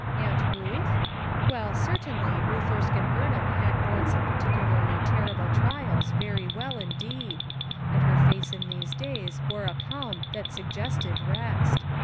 Aunt Ruth? Well, certainly Ruth Erskine Eurnham had borne some peculiarly terrible trials very well indeed; and her face in these days wore a calm that sug gested rest.